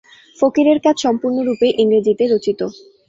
ফকিরের কাজ সম্পূর্ণরূপে ইংরেজিতে রচিত।